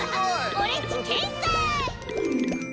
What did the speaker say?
オレっちてんさい！